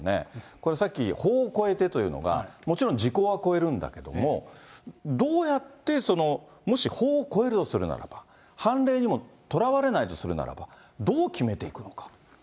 これ、さっき、法を超えてというのが、もちろん時効は超えるんだけども、どうやって、もし法を超えるとするならば、判例にもとらわれないとするならば、どう決めていくのか。